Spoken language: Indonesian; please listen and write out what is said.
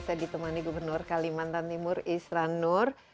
saya ditemani gubernur kalimantan timur isra nur